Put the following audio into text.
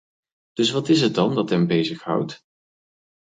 Dus wat is het dan dat hen bezighoudt?